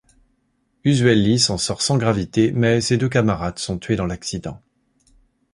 Usuelli s'en sort sans gravité mais ses deux camarades sont tués dans l'accident.